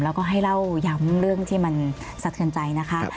แล้วก็ให้เล่าย้ำเรื่องที่มันสะเทือนใจนะคะ